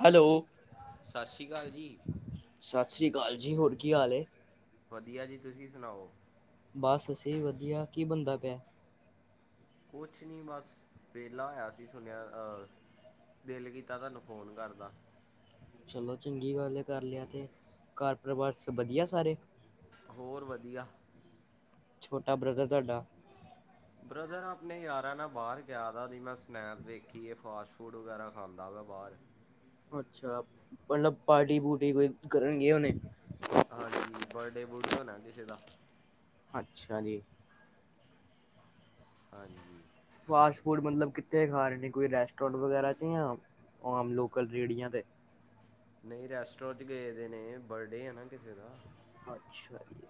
Hello ਸਤਿ ਸ਼੍ਰੀ ਅਕਾਲ ਜੀ। ਸ਼੍ਰੀ ਅਕਾਲ ਜੀ ਹੋਰ ਕੀ ਹਾਲ ਏ? ਵਧੀਆ ਜੀ, ਤੁਸੀਂ ਸੁਣਾਓ। ਬਸ ਅਸੀਂ ਵਧੀਆ, ਕੀ ਬਨਦਾ ਪਿਆ? ਕੁਛ ਨੀ ਬਸ ਵਿਹਲਾ ਹੋਇਆ ਸੀ, ਸੁਣਿਆ ਅ ਦਿਲ ਕੀਤਾ ਤੁਹਾਨੂੰ ਫ਼ੋਨ ਕਰਦਾ। ਚਲੋ ਚੰਗੀ ਗੱਲ ਹੈ ਕਰ ਲਿਆ ਤੇ, ਘਰ ਪਰਿਵਾਰ ਸਭ ਵਧੀਆ ਸਾਰੇ। ਹੋਰ ਵਧੀਆ। ਛੋਟਾ ਬ੍ਰਦਰ ਤੁਹਾਡਾ ਬ੍ਰਦਰ ਆਪਣੇ ਯਾਰਾਂ ਨਾਲ ਬਾਹਰ ਗਿਆ ਦਿਆ ਸੀ, ਮੈਂ ਸਨੈਪ ਵੇਖੀ ਏ ਫਾਸਟ- ਫੂਡ ਵਗੈਰਾ ਖਾਂਦਾ ਪਿਆ ਬਾਹਰ। ਅੱਛਾ, ਮਤਲਬ ਪਾਰਟੀ- ਪੂਰਟੀ ਕੋਈ ਕਰਨਗੇ ਹੋਨੇ। ਹਾਂਜੀ, ਬਰਡੇ- ਬੂਡੇ ਹੋਣਾ ਕਿਸੇ ਦਾ। ਅੱਛਾ ਜੀ। ਹਾਂਜੀ। ਫਾਸਟ- ਫੂਡ ਮਤਲਬ ਕਿੱਥੇ ਖਾ ਰਹੇ ਨੇ, ਕੋਈ ਰੈਸਟੋਰੈਂਟ ਵਗੈਰਾ ਚ ਜਾਂ ਆਮ ਲੋਕਲ ਰੇੜੀਆਂ ਤੇ। ਨਹੀਂ ਰੈਸਟੋਰੈਂਟ ਗਏ ਦੇ ਨੇ, ਬਰਡੇ ਆ ਨਾ ਕਿਸੇ ਦਾ। ਅੱਛਾ ਜੀ,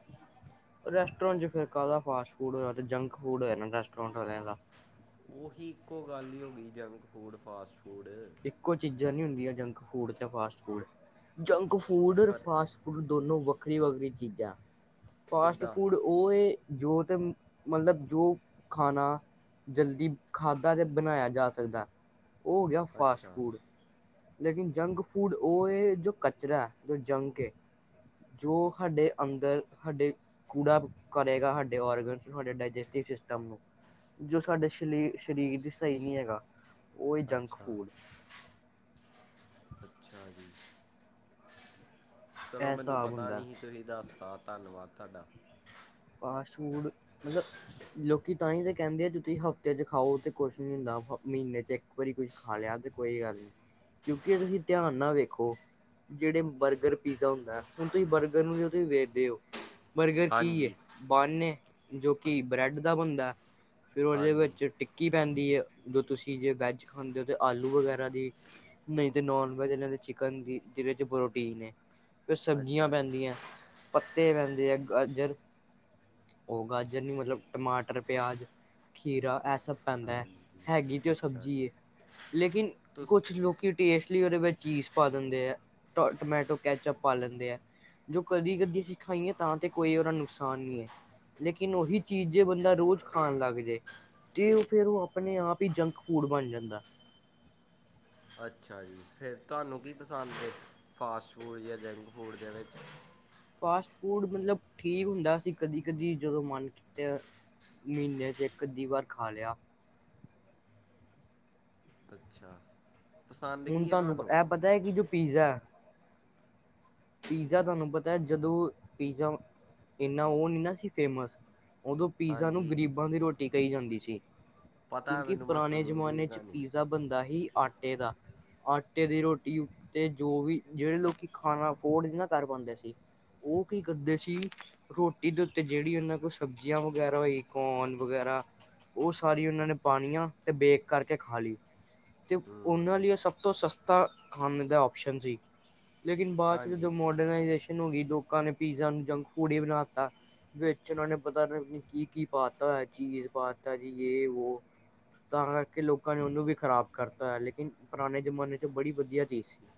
ਰੈਸਟੋਰੈਂਟ ਚ ਫਿਰ ਕਾਹਦਾ ਫਾਸਟ- ਫੂਡ ਹੋਯਾ ੳਹ ਤਾ ਜੰਕ- ਫੂਡ ਹੋਇਆ ਰੈਸਟੋਰੈਂਟ ਵਾਲੇਆ ਦਾ। ਉਹੀ ਇੱਕੋ ਗੱਲ ਹੀ ਹੋ ਗਈ ਜੰਕ- ਫੂਡ, ਫਾਸਟ- ਫੂਡ। ਇੱਕੋ ਚੀਜ਼ਾਂ ਨਹੀਂ ਹੁੰਦੀਆਂ ਜੰਕ- ਫੂਡ ਤੇ ਫਾਸਟ- ਫੂਡ, ਜੰਕ ਫੂਡ ਰ ਫਰ ਫਾਸਟ ਫੂਡ ਦੋਨੋ ਵਕਤ ਵੱਖਰੀ- ਵੱਖਰੀ ਚੀਜ਼ਾਂ। ਫਾਸਟ- ਕਿੱਦਾਂ ਫੂਡ ਉਹ ਏ ਜੋ ਤੇ ਮਤਲਬ ਜੋ ਖਾਣਾ ਜਲਦੀ ਖਾਧਾ ਤੇ ਬਣਾਇਆ ਜਾ ਸਕਦਾ। ਉਹ ਫਾਸਟ- ਅੱਛਾ ਫੂਡ। ਲੇਕਿਨ ਜੰਕ ਫੂਡ ਉਹ ਹੈ, ਜੋ ਕਚਰਾ ਹੈ ਜੋ ਜੰਕ ਏ, ਜੋ ਸਾਡੇ ਅੰਦਰ ਸਾਡੇ ਕੂੜਾ ਕਰੇਗਾ ਸਾਡੇ ਓਰਗਨ ਨੂੰ ਸਾਡੇ ਡਾਇਜੈਸਟਿਵ ਸਿਸਟਮ ਨੂੰ, ਜੋ ਸਾਡੇ ਸ਼ਲੀ ਸਰੀਰ ਦੀ ਸਹੀ ਨਹੀਂ ਹੈਗਾ। ਉਹ ਏ ਜੰਕ- ਅੱਛਾ ਫੂਡ। ਅੱਛਾ ਜੀ। ਚਲੋ ਇਹ ਮੈਨੂੰ ਹਿਸਾਬ ਪਤਾ ਹੁੰਦਾ ਨੀ ਹੀ ਤੁਸੀਂ ਦੱਸਤਾ, ਧੰਨਵਾਦ। ਤਾਡਾ। ਫਾਸਟ ਫੂਡ ਮਤਲਬ ਲੋਕੀ ਤਾਂਹੀ ਤੇ ਕੈੰਦੇਂ ਐ ਜੇ ਤੁਸੀਂ ਹਫ਼ਤੇ ਚ ਖਾਓ ਤੇ ਕੁਛ ਨੀ ਹੁੰਦਾ, ਹ ਮ੍ਹੀਨੇ ਚ ਇੱਕ ਵਾਰੀ ਕੁਛ ਖਾ ਲਿਆ ਤੇ ਕੋਈ ਗੱਲ ਨੀ, ਕਿਓਂਕੇ ਏ ਤੁਸੀਂ ਧਿਆਨ ਨਾਲ ਵੇਖੋ ਜੇੜੇ ਬਰਗਰ ਪੀਜ਼ਾ ਹੁੰਦੈ, ਹੁਣ ਤੁਸੀਂ ਬਰਗਰ ਨੂੰ ਜਦੋਂ ਤੁਸੀਂ ਵੇਖਦੇ ਔ ਬਰਗਰ ਕੀ ਏ? ਹਾਂਜੀ ਅੱਣੇ, ਜੋ ਕਿ ਬ੍ਰੈਡ ਦਾ ਬਣਦੈ। ਫੇਰ ਓਹਦੇ ਹਾਂਜੀ ਵੇੱਚ ਟਿੱਕੀ ਪੈਂਦੀ ਏ। ਜੋ ਤੁਸੀਂ ਜੇ ਵੈਜ ਖਾਂਦੇ ਹੋ ਤਾਂ ਆਲੂ ਵਗੈਰਾ ਦੀ, ਨਹੀਂ ਤੇ ਨੋਨ ਵੈਜ ਆਲੇਆਂ ਦੇ ਚਿਕਨ ਦੀ, ਜਿਦੇ ਚ ਪ੍ਰੋਟੀਨ ਏ। ਫੇਰ ਸਬਜ਼ੀਆਂ ਅੱਛਾ ਜੀ ਪੈਂਦੀਐ ਪੱਤੇ ਪੈਂਦ ਤੇ ਐ ਗਾਜਰ ਔ ਗਾਜਰ ਨੀ ਮਤਲਬ ਟਮਾਟਰ, ਪਿਆਜ, ਖੀਰਾ ਐ ਸਭ ਪੈਂਦਾ, ਹਾਂਜੀ ਹੈਗੀ ਤੇ ਓਹ ਅੱਛਾ ਸਬਜ਼ੀ ਜੀ ਏ ਲੇਕਿਨ ਤੁਸ ਕੁਛ ਲੋਕੀ ਟੇਸਟ ਲੀ ਔਦੇ ਵਿੱਚ ਚੀਜ਼ ਪਾ ਦਿੰਦੇ ਐ, ਟੋਏ ਟਮੈਟੋ ਕੈਚਅਪ ਪਾ ਲੈਂਦੇ ਐ, ਜੋ ਕਦੀ ਕਦੀ ਅਸੀਂ ਖਾਈਏ ਤਾਂ ਤੇ ਕੋਈ ਔਦਾ ਨੁਕਸਾ ਸਾਨ ਨੀ ਐ, ਲੇਕਿਨ ਓਹੀ ਚੀਜ਼ ਜੇ ਬੰਦਾ ਰੋਜ਼ ਖਾਣ ਲੱਗ ਜੇ ਤੇ ਔ ਫੇਰ ਓਹ ਅਪਣੇ ਆਪ ਈ ਜੰਕ ਫੂਡ ਬਣ ਜਾਂਦੈ। ਅੱਛਾ ਜੀ, ਫੇਰ ਤੁਹਾਨੂੰ ਕੀ ਪਸੰਦ ਏ ਫਾਸਟ ਫੂਡ ਯਾ ਜੰਕ ਫੂਡ ਦੇ ਵਿੱਚ? ਫਾਸਟ ਫੂਡ, ਮਤਲਬ ਠੀਕ ਹੁੰਦਾ ਅਸੀ ਕਦੀ ਕਦੀ ਜਦੋਂ ਮਨ ਕੀਤਾ ਮ੍ਹੀਨੇ ਚ ਏੱਕ ਅੱਧੀ ਵਾਰ ਖਾ ਲਿਆ। ਅੱਛਾ ਪਸੰਦ ਹੁਣ ਕੀ ਹੈ ਤੁਹਾਨੂੰ ਐਹ ਪਤਾ ਹੈ ਕਿ ਜੋ ਪੀਜ਼ਾ ਐ ਪੀਜ਼ਾ ਤੁਹਾਨੂੰ ਪਤਾ ਜਦੋਂ ਪੀਜ਼ਾ ਇਨਾ ਓਹ ਨੀ ਨਾ ਸੀ ਫੇਮਸ‌। ਓਦੋਂ ਪੀਜ਼ਾ ਨੂੰ ਹਾਂਜੀ ਗ਼ਰੀਬਾਂ ਦੀ ਰੋਟੀ ਕਈ ਜਾਂਦੀ ਸੀ। ਪਤਾ ਹੈ ਕਿਉਂਕਿ ਮੈਨੂੰ ਮੈਂ ਪੁਰਾਣੇ ਸੁਣੀ ਦੀ ਜ਼ਮਾਨੇ ਇਹ ਚ ਕਹਾਣੀ ਪੀਜ਼ਾ ਬਣਦਾ ਹੀ ਆਟਾ ਏਦਾ, ਆਟੇ ਦੀ ਰੋਟੀ ਉਤੇ ਜੋਵੀ ਜੇੜੇ ਲੋਕੀ ਖਾਣਾ ਫੋਰਡ ਨੀ ਕਰ ਪਾਂਦੇ ਸੀ, ਉਹ ਕੀ ਕਰਦੇ ਸੀ ਰੋਟੀ ਦੇ ਉੱਤੇ ਜੇੜੀ ਉਨ੍ਹਾਂ ਕੋਲ ਸਬਜ਼ੀਆਂ ਵਗੈਰਾ ਹੋਈ ਕੋਨ ਵਗੈਰਾ ਉਹ ਸਾਰੀ ਉਨਾਂ ਨੇ ਪਾਣੀਆਂ ਤੇ ਬੇਕ ਕਰਕੇ ਖਾ ਲੀ ਤੇ ਹੂੰ ਉਨ੍ਹਾਂ ਲਈ ਐ ਸਭ ਤੋਂ ਸਸਤਾ ਖਾਣੇ ਦਾ ਔਪਸ਼ਨ ਸੀ। ਲੇਕਿਨ ਏ ਦੋ ਹਾਂਜੀ ਮੋਡਰਨਾਈਜੇਸ਼ ਹੀਨੁਗੀ ਲੋਕਾਂ ਨੇ ਪੀਜ਼ਾ ਨੂੰ ਜੰਕ ਫੂਡ ਹੀ ਬਣਾ ਤਾ, ਵੇਚ ਉਨਾਂ ਨੇ ਪਤਾ ਕੀ ਕੀ ਪਾਤਾ ਚੀਜ਼ ਪਾਤਾ ਜੀ ਯੇ ਵੋ, ਤਾਂ ਕਰਕੇ ਲੋਕਾਂ ਨੇ ਉਨੂੰ ਵੀ ਖ਼ਰਾਬ ਕਰਤਾ, ਲੇਕਿਨ ਪੁਰਾਣੇ ਜ਼ਮਾਨੇ ਚ ਬੜੀ ਵਧੀਆ ਚੀਜ਼ ਸੀ। [inaudible]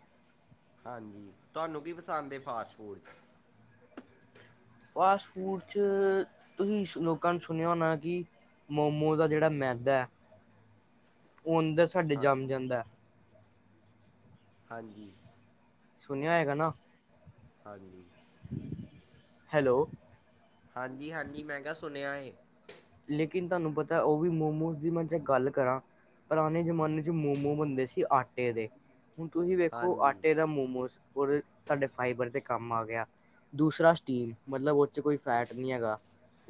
ਹਾਂਜੀ, ਤੁਹਾਨੂੰ ਕੀ ਪਸੰਦ ਏ ਫਾਸਟ ਫੂਡ ਚ? ਫਾਸਟ ਫੂਡ 'ਚ ਤੁਸੀਂ ਲੋਕਾਂ ਨੂੰ ਸੁਣਿਆ ਹੋਣਾ ਕਿ ਮੋਮੋਜ ਦਾ ਜੇੜਾ ਮੈਦਾ ਐ, ਔ ਅੰਦਰ ਸਾਡੇ ਹਾਂ ਜੰਮ ਜਾਂਦਾ। ਹਾਂਜੀ। ਸੁਣਿਆ ਹੋਏਗਾ ਨਾ। ਹਾਂਜੀ। ਹੈਲੋ। ਹਾਂਜੀ ਹਾਂਜੀ, ਮੈ ਕਿਆ ਸੁਣਿਆ ਏ। ਲੇਕਿਨ ਤੁਹਾਨੂੰ ਪਤੈ ਓਹ ਵੀ ਮੋਮੋਸ ਦੀ ਮੈਂ ਜੇ ਗੱਲ ਕਰਾਂ ਪੁਰਾਣੇ ਜ਼ਮਾਨੇ 'ਚ ਮੋਮੋ ਬਣਦੇ ਸੀ ਆਟੇ ਦੇ। ਹੁਣ ਤੁਸੀਂ ਵੇਖੋ, ਹਾਂਜੀ ਆਟੇ ਦਾ ਮੋਮੋਸ ਔਰ ਤੁਹਾਡੇ ਫਾਈਬਰ ਦੇ ਕੰਮ ਆ ਗਿਆ ਦੂਸਰਾ ਸਟੀਮ ਮਤਲਬ ਓਦੇ ਚ ਕੋਈ ਫੈਟ ਨੀ ਹੈਗਾ।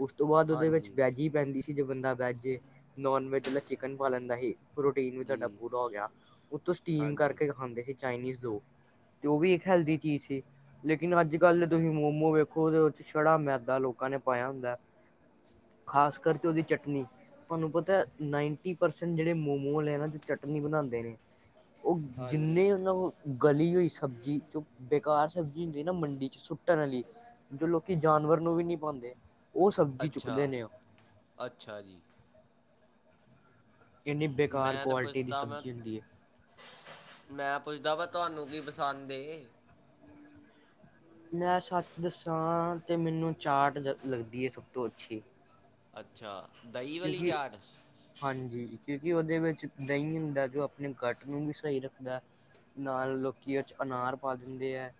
ਉਸ ਤੋਂ ਬਾਦ ਉਦੇ ਵੇਚ ਹਾਂਜੀ ਵੈਜੀ ਪੈਂਦੀ‌। ਜੇ ਬੰਦਾ ਵੈੱਜ ਏ, ਨੋਨ ਵੈਜ ਆਲਾ ਚਿਕਨ ਪਾ ਲੈਂਦਾ ਹੀ। ਪ੍ਰੋਟੀਨ ਵੀ ਤੁਹਾਡਾ ਜੀ ਪੂਰਾ ਹੋ ਗਿਆ, ਉੱਤੋ ਸਟੀਮ ਹਾਂਜੀ ਕਰਕੇ ਖਾਂਦੇ ਸੀ ਚਾਈਨੀਜ਼। ਤੇ ਉਹ ਵੀ ਇੱਕ ਹੈਲਦੀ ਚੀਜ਼ ਸੀ ਲੇਕਿਨ ਅੱਜ ਕੱਲ ਦੇ ਤੁਸੀਂ ਮੋਮੋਜ਼ ਵੇਖੋ ਉਹ ਛੜਾ ਮੈਦਾ ਲੋਕਾਂ ਨੇ ਪਾਇਆ ਹੁੰਦਾ। ਖਾਸ ਕਰਕੇ ਉਹਦੀ ਚਟਨੀ ਤੁਹਾਨੂੰ ਪਤਾ ਨਾਈਨਟੀ ਪਰਸੈਂਟ ਜਿਹੜੇ ਮੋਮੋ ਵਾਲੇ ਇਹ ਚਟਨੀ ਬਣਾਉਂਦੇ ਨੇ। ਉਹ ਹਾਂਜੀ ਜਿੰਨੇ ਮਤਲਬ ਗਲੀ ਹੋਈ ਸਬਜ਼ੀ ਜੋ ਬੇਕਾਰ ਸਬਜ਼ੀ ਹੁੰਦੀ ਨਾ ਮੰਡੀ ਚ ਸੁੱਟਣ ਵਾਲੀ ਜੋ ਲੋਕੀ ਜਾਨਵਰ ਨੂੰ ਵੀ ਨਹੀ ਪਾਉਂਦੇ। ਉਹ ਸਬਜ਼ੀ ਅੱਛਾ ਚੁੱਕਦੇ ਨੇ ਉਹ ਅੱਛਾ ਜੀ। ਕਿੰਨੀ ਬੇਕਾਰ ਮੈਂ ਤਾਂ ਕੁਆਲਿਟੀ ਦੀ ਪੁੱਛਦਾ ਮੈਂ ਸਬਜ਼ੀ ਹੁੰਦੀ ਹੈ। ਮੈਂ ਪੁੱਛਦਾ ਵਾ ਤੁਹਾਨੂੰ ਕੀ ਪਸੰਦ। ਮੈਂ ਸੱਚ ਦੱਸਾਂ ਤੇ ਮੈਨੂੰ ਚਾਟ ਜ ਲੱਗਦੀ ਹੈ। ਸਭ ਤੋਂ ਅੱਛੀ। ਅੱਛਾ। ਦਹੀਂ ਵਾਲੀ ਕਿਉਂਕਿ ਚਾਟ ਹਾਂਜੀ। ਕਿਉਂਕਿ ਉਹਦੇ ਵਿੱਚ ਦਹੀਂ ਹੁੰਦਾ ਜੋ ਆਪਣੇ ਗੱਟ ਨੂੰ ਵੀ ਸਹੀ ਰੱਖਦਾ ਨਾਲ ਲੋਕ ਉਹ ਚ ਅਨਾਰ ਪਾ ਦਿੰਦੇ ਹੈ।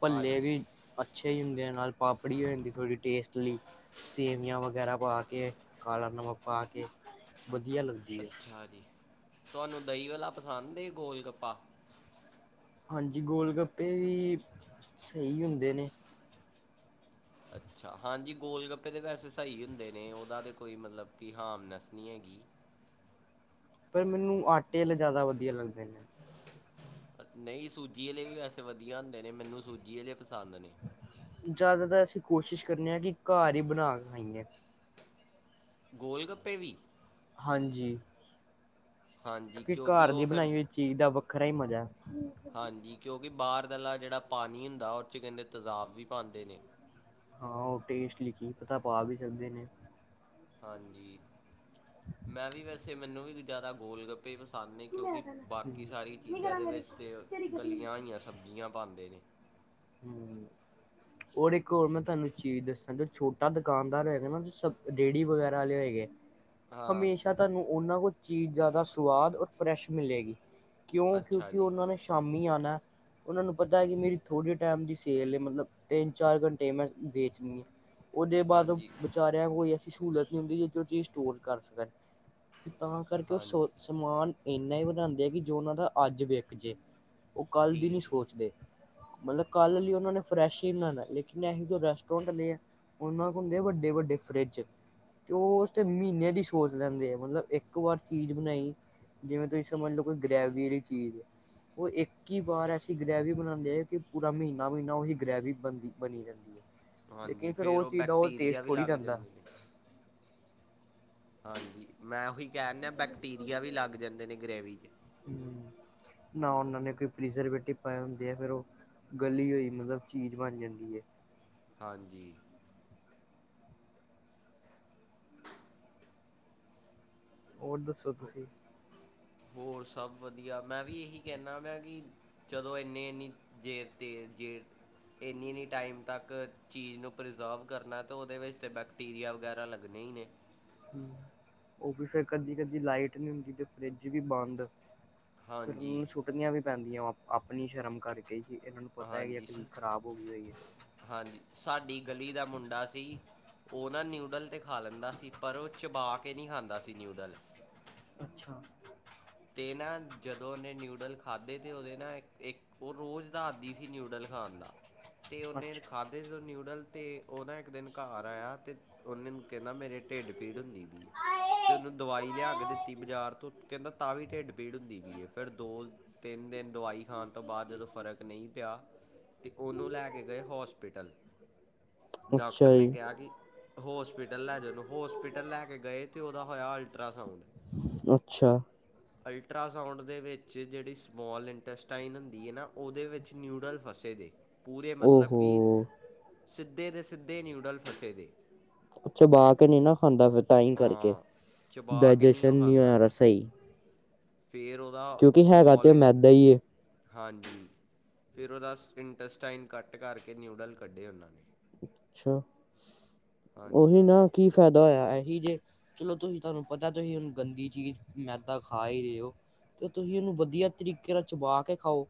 ਭੱਲੇ ਹਾਂਜੀ ਵੀ ਅੱਛੇ ਹੀ ਹੁੰ ਨਾਲ ਪਾਪੜੀ ਹੋ ਜਾਂਦੀ ਥੋੜ੍ਹੀ ਟੇਸਟਲੀ ਸੇਵੀਆਂ ਵਗੈਰਾ ਪਾ ਕੇ। ਕਾਲਾ ਨਵਾਂ ਪਾ ਕੇ ਵਧੀਆ ਲੱਗਦਾ। ਅੱਛਾ ਜੀ। ਤੁਹਾਨੂੰ ਦਹੀਂ ਵਾਲਾ ਪਸੰਦ ਏ ਗੋਲਗੱਪਾ। ਹਾਂਜੀ ਗੋਲ ਗੱਪੇ ਵੀ ਸਹੀ ਹੁੰਦੇ ਨੇ ਅੱਛਾ ਹਾਂਜੀ ਗੋਲ ਕੱਪੜੇ ਤਾਂ ਵੈਸੇ ਸਹੀ ਹੁੰਦੇ ਨੇ ਉਹਦਾ ਤਾਂ ਕੋਈ ਮਤਲਬ ਕਿ ਹਾਰਮਨੈਸ ਨਹੀਂ ਹੈਗੀ। ਪਰ ਮੈਨੂੰ ਆਟੇ ਜ਼ਿਆਦਾ ਵਧੀਆ ਲੱਗਦੇ ਨੇ। ਨਹੀਂ ਸੂਜੀ ਵਾਲੇ ਵੀ ਵੈਸੇ ਵਧੀਆ ਹੁੰਦੇ ਨੇ ਮੈਨੂੰ ਸੂਜੀ ਵਾਲੇ ਪਸੰਦ ਨੇ। ਜ਼ਿਆਦਾਤਰ ਅਸੀਂ ਕੋਸ਼ਿਸ਼ ਕਰਨੇ ਹਾਂ ਕਿ ਘਰ ਹੀ ਬਣਾ ਕੇ ਖਾਈਏ। ਗੋਲ ਗੱਪੇ ਵੀ। ਹਾਂਜੀ। ਹਾਂਜੀ ਕਿਉਂਕਿ ਘਰ ਦੀ ਉਹ ਬਣਾਈ ਫਿਰ ਹੋਈ ਚੀਜ਼ ਦਾ ਖਰਾ ਹੀ ਮਜ਼ਾ। ਹਾਂਜੀ। ਕਿਉਂਕਿ ਬਾਹਰ ਦਾ ਜਿਹੜਾ ਪਾਣੀ ਹੁੰਦਾ ਉਹ ਚ ਕਹ ਦੇ ਤਜ਼ਾਾਬ ਵੀ ਪਾਉਂਦੇ ਨੇ। ਹਾਂ ਉਹ ਟੇਸਟ ਲਿਖੀ ਪਤਾ ਪਾ ਵੀ ਸਕਦੇ ਨੇ। ਹਾਂਜੀ ਮੈਂ ਵੀ ਵੈਸੇ ਮੈਨੂੰ ਵੀ ਜ਼ਿਆਦਾ ਗੋਲ ਗੱਪੇ ਸਾਨੇ ਕਿਉਂਕਿ ਬਾਕੀ ਸਾਰੀ ਚੀਜ਼ਾਂ ਦੇ ਵਿੱਚ ਤਾਂ ਗਲੀਆਂ ਹੋਈਆਂ ਸਬਜ਼ੀਆਂ ਪਾਉਂਦੇ ਨੇ। ਹਮ ਰ ਇੱਕ ਹੋਰ ਮੈਂ ਤੁਹਾਨੂੰ ਚੀਜ਼ ਦੱਸਾਂ ਜੋ ਛੋਟਾ ਦੁਕਾਨਦਾਰ ਹੈਗਾ ਨਾ ਸ ਰੇਹੜੀ ਵਗੈਰਾ ਵਾਲੇ ਹੋਏਗੇ। ਹਾਂ ਹਮੇਸ਼ਾ ਤੁਹਾਨੂੰ ਉਹਨਾਂ ਕੁ ਚੀਜ਼ ਜ਼ਿਆਦਾ ਸੁਵਾਦ ਰ ਫਰੈਸ਼ ਮਿਲੇਗੀ। ਕਿਉਂ ਅੱਛਾ ਕਿਉਂਕਿ ਜੀ ਉਹਨਾਂ ਨੇ ਸ਼ਾਮੀ ਆਉਣਾ। ਉਹਨਾਂ ਨੂੰ ਪਤਾ ਹੈ ਕਿ ਮੇਰੇ ਤੋਂ ੜੇ ਟਾਈਮ ਦੀ ਸੇਲ ਹੈ ਮਤਲਬ ਤਿੰਨ ਚਾਰ ਘੰਟੇ ਮੈਂ ਵੇਚਣੀ ਹੈ। ਉਹਦੇ ਬਾਅਦ ਹਾਂਜੀ ਵਿਚਾਰਿਆਂ ਕੋਈ ਸਹੂਲਤ ਨਹੀਂ ਹੁੰਦੀ ਜੀ ਜੋ ਚੀਜ਼ ਸਟੋਰ ਕਰ ਸਕੇਗਾ। ਫੇਰ ਤਾਂ ਕਰਕੇ ਉਹ ਸੋ ਹਾਂਜੀ ਸਮਾਨ। ਇੰਨਾ ਹੀ ਵਧਾਉਂਦੇ ਆ ਕਿ ਜੋ ਉਹਨਾਂ ਦਾ ਅੱਜ ਵਿਕ ਜੇ। ਉਹ ਕੱਲ੍ਹ ਦੀ ਨਹੀਂ ਠੀਕ ਹੈ ਸੋਚਦੇ। ਮਤਲਬ ਕੱਲ ਲਈ ਉਹਨਾਂ ਨੇ ਫਰੈਸ਼ ਹੀ ਬਣਾਉਣਾ ਲੇਕਿਨ ਇਹ ਜੋ ਰੈਸਟੋਰੈਂਟ ਲਏ ਹੈ ਉਹਨਾਂ ਕੋਲ ਹੁੰਦੇ ਆ ਵੱਡੇ ਵੱਡੇ ਫਰਿੱਜ ਤੇ ਉਹ ਉਸ ਤੇ ਮਹੀਨੇ ਦੀ ਸੋਚ ਲੈਂਦੇ ਆ ਮਤਲਬ ਇੱਕ ਵਾਰ ਚੀਜ਼ ਬਣਾਈ ਜਿਵੇਂ ਤੁਸੀਂ ਸਮਝ ਲਓ ਕੋਈ ਗ੍ਰੈਵੀ ਵਾਲੀ ਚੀਜ਼ ਉਹ ਇੱਕ ਹੀ ਵਾਰ ਐਸੀ ਗ੍ਰੈਵੀ ਬਣਾਉਂਦੇ ਆ। ਕਿ ਪੂਰਾ ਮਹੀਨਾ ਮਹੀਨਾ ਉਹੀ ਗ੍ਰੈਵੀ ਬਣਦੀ ਬਣੀ ਰਹਿੰਦੀ ਹੈ। ਹਾਂਜੀ ਲੇਕਿਨ ਫਿਰ ਫੇਰ ਉਹ ਚੀਜ਼ ਦਾ ਬੈਕਟੀਰੀਆ ਟੇਸਟ ਵੀ ਥੋੜ੍ਹੀ ਲੱਗ ਰਹਿੰਦਾ ਜਾਂਦੇ। ਹਾਂਜੀ ਮੈਂ ਉਹੀ। ਕਹਿਣ ਦੀਆਂ ਬੈਕਟੀਰੀਆ ਵੀ ਲੱਗ ਜਾਂਦੇ ਨੇ ਗ੍ਰਰੇਵੀ ਚ। ਨਾ ਉਹਨਾਂ ਨੇ ਕੋਈ ਪ੍ਰੀਜ਼ਰਵੇਟਿਵ ਪਾਏ ਹੁੰਦੇ ਆ ਫਿਰ ਉਹ ਗਲੀ ਹੋਈ ਮਤਲਬ ਚੀਜ਼ ਬਣ ਜਾਂਦੀ ਹੈ। ਹਾਂਜੀ। ਹੋਰ ਦੱਸੋ ਤੁਸੀਂ? ਹੋਰ ਸਭ ਵਧੀਆ ਮੈਂ ਵੀ ਇਹੀ ਕਹਿਣਾ ਹੁਣਾ ਕਿ ਜਦੋਂ ਇੰਨੀ ਇੰਨੀ ਦੇਰ ਤੇਰ ਜੇਰ ਇੰਨੀ ਇੰਨੀ ਟਾਈਮ ਤੱਕ ਚੀਜ਼ ਨੂੰ ਪ੍ਰੀਜ਼ਰਵ ਕਰਨਾ ਤਾਂ ਉਹਦੇ ਵਿੱਚ ਤਾਂ ਬੈਕਟੀਰੀਆ ਵਗੈਰਾ ਲੱਗਣੇ ਹੀ ਨੇ। ਹੂੰ ਉਹ ਵੀ ਫਿਰ ਕਦੀ ਕਦੀ ਲਾਈਟ ਨਹੀਂ ਹੁੰਦੀ ਤੇ ਫਰਿੱਜ ਵੀ ਬੰਦ। ਫੇਰ ਹਾਂਜੀ ਨੂੰ ਛੁੱਟਦੀਆਂ ਵੀ। ਪੈਂਦੀਆਂ ਉਹ ਆਪਣੀ ਸ਼ਰਮ ਕਰਕੇ। ਕਿ ਇਹਨਾਂ ਨੂੰ ਪਤਾ ਹੈ ਕਿ ਹਾਂਜੀ ਅਕਲੀ ਖ਼ਰਾਬ ਹੋ ਗਈ ਹੋਈ ਹੈ ਹਾਂਜੀ ਸਾਡੀ ਗਲੀ ਦਾ ਮੁੰਡਾ ਸੀ ਉਹ ਨਾ ਨਿਊ। ਨਿਊਡਲ ਤੇ ਖਾ ਲੈਂਦਾ ਸੀ ਪਰ ਉਹ ਚਬਾ ਕੇ ਨਹੀਂ ਖਾਂਦਾ ਸੀ ਨਿਊਡਲ। ਅੱਛਾ। ਤੇ ਨਾ ਜਦੋਂ ਉਹਨੇ ਨਿਊਡਲ ਖਾਧੇ ਤੇ ਉਹਦੇ ਨਾ ਇੱਕ ਇੱਕ ਉਹ ਰੋਜ਼ ਦਾ ਆਦੀ ਸੀ ਨਿਊਡਲ ਖਾਣ ਦਾ। ਤੇ ਉਹਨੇ ਅੱਛਾ ਖਾਧੇ ਜੋ ਨਿਊਡਲ। ਤੇ ਉਹ ਨਾ ਇੱਕ ਦਿਨ ਘਰ ਆਇਆ ਤੇ ਉਹਨੇ ਕਹਿੰਦਾ ਮੇਰੇ ਢਿੱਡ ਪੀੜ ਹੁੰਦੀ ਪਈ ਏ ਤੇ ਉਹਨੂੰ ਦਵਾਈ ਲਿਆ ਕੇ ਦਿੱਤੀ ਬਾਜ਼ਾਰ ਤੋਂ ਕਹਿੰਦਾ। ਤਾਂ ਵੀ ਢਿੱਡ ਪੀੜ ਹੁੰਦੀ ਪਈ ਹੈ ਫਿਰ ਦੋ ਤਿੰਨ ਦਿਨ ਦਵਾਈ ਖਾਣ ਤੋਂ ਬਾਅਦ ਜਦੋਂ ਫ਼ਰਕ ਨਹੀਂ ਪਿਆ ਇੱਕ ਉਹਨੂੰ ਲੈ ਕੇ ਗਏ ਹੋਸਪੀਟਲ। ਅੱਛਾ ਡਾਕਟਰ ਨੇ ਜੀ ਕਿਹਾ ਕਿ? ਹੋਸਪਿਟਲ ਲੈ ਜਾਓ ਉਹਨੂੰ ਹੋਸਪੀਟਲ ਲੈ ਕੇ ਗਏ ਤੇ ਉਹਦਾ ਹੋਇਆ ਅਲਟਰਾਸਾਊਂਡ। ਅੱਛਾ। ਅਲਟਰਾਾਸਾਊਂਡ ਦੇ ਵਿੱਚ ਜਿਹੜੀ ਸਮਾਲ ਇੰਟੈਸਟਾਈਨ ਹੁੰਦੀ ਹੈ ਨਾ ਉਹਦੇ ਵਿੱਚ ਨਿਊਡਲ ਫਸੇ ਨੇ। ਪੂਰੇ ਮਤਲਬ ਓਹੋ ਕਿ। ਸਿੱਧੇ ਦੇ ਸਿੱਧੇ ਨਿਊਡਲ ਫਸੇ ਨੇ। ਚਬਾ ਕੇ ਨਹੀਂ ਨਾ ਖਾਂਦਾ ਫੇਰ ਤਾਹੀ ਕਰਕੇ ਹਾਂ ਚਬਾ ਕੇ ਡਾਇਰੈਕਸ਼ਨ ਨਹੀਂ ਸਹੀ। ਫੇਰ ਉਹਦਾ ਕਿਉਂਕਿ ਹੈਗਾ ਸਮੌਲ। ਤੇ ਮੈਦਾ ਹੀ ਏ ਹਾਂਜੀ ਫਿਰ ਉਹਦਾ ਇੰਟਸਟਾਈਨ ਕੱਟ ਕਰਕੇ ਨਿਊਡਲ ਕੱਢੇ ਉਹਨਾਂ ਨੇ। ਅੱਛਾ ਉਹੀ ਹਾਂਜੀ ਨਾ ਕੀ ਫਾਇਦਾ। ਹੋਇਆ ਇਹੇ ਜੇ ਚਲੋ ਤੁਸੀਂ ਤੁਹਾਨੂੰ ਪਤਾ ਤੁਸੀਂ ਉਹਨੂੰ ਗੰਦੀ ਚੀਜ਼ ਮੈਦਾ ਖਾ ਹੀ ਰਹੇ ਹੋ ਤੇ ਤੁਸੀਂ ਉਹਨੂੰ ਵਧੀਆ ਤਰੀਕੇ ਨਾਲ ਚਬਾ ਕੇ ਖਾਓ।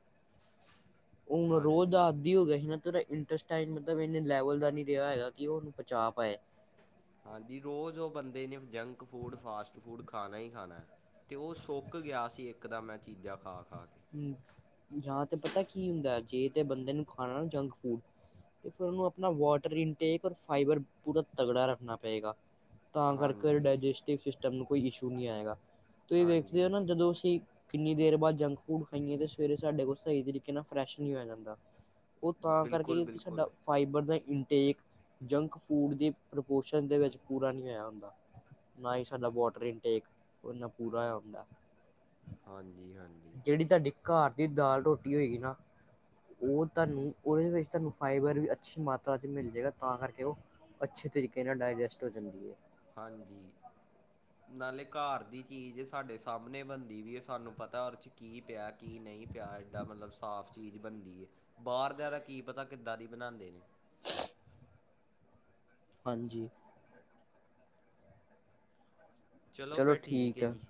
ਉਹ ਹੁਣ ਰੋਜ਼ ਦਾ ਹਾਂਜੀ ਆਦੀ ਹੋ ਗਿਆ ਸੀ ਨਾ। ਤੇਰਾ ਇੰਟਰਸਟ ਮਤਲਬ ਨਹੀਂ। ਤੇਰੇ ਲੈਵਲ ਦਾ ਨਹੀਂ ਰਿਹਾ ਹੈਗਾ ਕਿ ਉਹਨੂੰ ਪਚਾ ਪਾਏ। ਹਾਂਜੀ ਰੋਜ਼ ਉਹ ਬੰਦੇ ਨੇ ਜੰਕ ਫੂਡ ਫਾਸਟ ਫੂਡ ਖਾਣਾ ਹੀ ਖਾਣਾ ਤੇ ਉਹ ਸੁੱਕ ਗਿਆ ਸੀ ਇੱਕ ਦਾ ਮੈਂ ਚੀਜ਼ਾਂ ਖਾ ਖਾ ਕੇ ਜਾਂ ਤੇ ਪਤਾ ਕੀ ਹੁੰਦਾ ਜੇ ਤਾਂ ਬੰਦੇ ਨੂੰ ਖਾਣਾ ਨਾ ਜੰਕ ਫੂਡ ਤੇ ਫਿਰ ਉਹਨੂੰ ਆਪਣਾ ਵਾਟਰ ਇਨਟੇਕ ਰ ਫਾਈਬਰ ਪੂਰਾ ਤਗੜਾ ਰੱਖਣਾ ਪਏਗਾ ਤਾ ਕਰ ਕੇ [inaudible] ਹਾਂਜੀ ਤਾ ਮੈਨੂੰ ਕੋਈ ਇਸ਼ੂ ਨਈ ਆਏਗਾ। ਤੁਸੀਂ ਵੇਖਦੇ ਓ ਹਾਂਜੀ ਨਾ ਜਦੋਂ, ਅਸੀਂ ਕਿੰਨੀ ਦੇਰ ਬਾਅਦ ਜੰਗ? ਫੂਡ ਖਾਈਂਏ ਤੇ ਸਵੇਰੇ ਸਾਡੇ ਕੋਲ ਸਹੀ ਤਰੀਕੇ ਨਾਲ ਫਰੈਸ਼ ਨਹੀਂੀ ਹੋ ਜਾਂਦਾ। ਉਹ ਤਾਂ ਕਰਕੇ, ਬਿਲਕੁਲ ਕਿਉਂਕਿ ਸਾਡਾ ਬਿਲਕੁਲ ਫਾਈਬਰ ਦਾ ਇਨਟੇਕ ਜੰਕ ਫੂਡ ਦੀ ਪ੍ਰਪੋਰਸ਼ਨ ਦੇ ਵਿੱਚ ਪੂਰਾ ਨੀ ਆਇਆ ਹੁੰਦਾ। ਨਾ ਹੀ ਸਾਡਾ ਵਾਟਰ ਇਨਟੇਕ ਇਨਾ ਪੂਰਾ ਆਇਆ ਹੁੰਦਾ। ਹਾਂਜੀ, ਹਾਂਜੀ। ਜਿਹੜੀ ਤੁਹਾਡੀ ਘਰ ਦੀ ਦਾਲ ਰੋਟੀ ਹੋਏਗੀ ਨਾ। ਉਹ ਤੁਹਾਨੂੰ ਉਹਦੇ ਵਿੱਚ ਤੁਹਾਨੂੰ ਫਾਈਬਰ ਵੀ ਅੱਛੀ ਮਾਤਰਾ ' ਮਿਲ ਜਾਵੇਗਾ ਤਾਂ ਕਰਕੇ ਉਹ ਅੱਛੇ ਤਰੀਕੇ ਨਾਲ ਡਾਇਜੈਸਟ ਹੋ ਜਾਂਦੀ ਹੈ। ਹਾਂਜੀ ਨਾਲੇ ਘਰ ਦੀ ਚੀਜ਼ ਸਾਡੇ ਸਾਹਮਣੇ ਬਣਦੀ ਵੀ ਹੈ। ਸਾਨੂੰ ਪਤਾ ਉਹਦੇ 'ਚ ਕੀ ਪਿਆ ਕੀ ਨਹੀਂ ਪਿਆ। ਏਡਾ ਮਤਲਬ ਸਾਫ਼ ਚੀਜ਼ ਬਣਦੀ ਹੈ। ਬਾਹਰ ਦਾ ਤਾਂ ਕੀ ਪਤਾ ਕਿੱਦਾਂ ਦੀ ਬਣਾਉਂਦੇ ਨੇ। [unintelligible] ਹਾਂ ਜੀ। ਚਲੋ, ਫਿਰ ਠੀਕ ਹੈ ਜੀ।